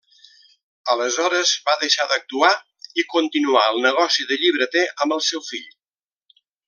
Aleshores va deixar d'actuar i continuà el negoci de llibreter amb el seu fill.